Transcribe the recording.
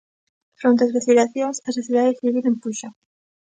Fronte as vacilacións, a sociedade civil empuxa.